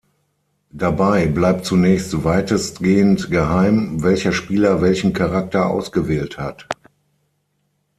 Dabei bleibt zunächst weitestgehend geheim, welcher Spieler welchen Charakter ausgewählt hat.